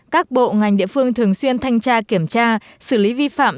các bộ ngành địa phương thường xuyên thanh tra kiểm tra xử lý vi phạm